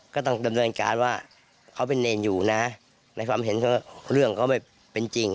ก็ต้องดำเนินการว่าเขาเป็นเนรอยู่นะในความเห็นเขาเรื่องเขาไม่เป็นจริง